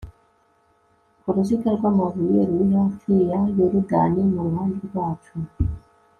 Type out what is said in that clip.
ku ruziga rw'amabuye ruri hafi ya yorudani, mu ruhande rwacu